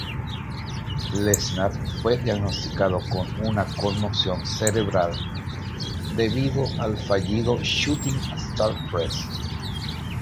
Lesnar fue diagnosticado con una conmoción cerebral debido al fallido "Shooting star press".